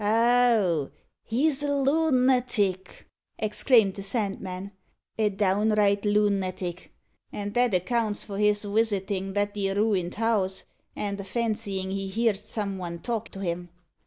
"Oh, he's a lu nattic!" exclaimed the Sandman, "a downright lu nattic; and that accounts for his wisitin' that 'ere ruined house, and a fancyin' he heerd some one talk to him.